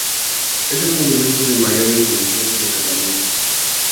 Es el monumento de mayores dimensiones de Cataluña.